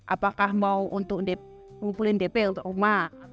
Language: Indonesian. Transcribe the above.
apakah mau untuk ngumpulin dp untuk rumah